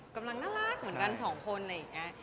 กำลังน่ารักเหมือนกันสองคนอะไรอย่างนี้